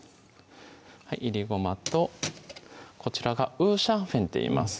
いりごまとこちらが五香粉っていいます